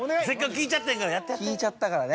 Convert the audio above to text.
聞いちゃったからね。